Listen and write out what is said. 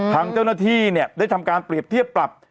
ทางเจ้าหน้าที่เนี่ยได้ทำการเปรียบเทียบปรับ